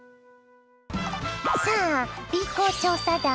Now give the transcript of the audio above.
さあＢ公調査団！